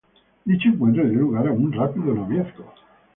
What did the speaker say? Dicho encuentro dio lugar a un rápido noviazgo.